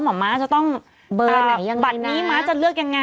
หม่อม้าจะต้องบัตรไหนยังไงนะบัตรนี้หม่าจะเลือกยังไง